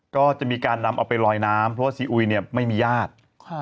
ก็จะมีการนำเอาไปลอยน้ำเพราะว่าซีอุยเนี่ยไม่มีญาติ